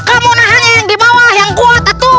kamu nahan yang dibawah yang kuat atuh